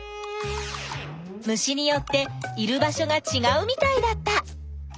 虫によっている場所がちがうみたいだった。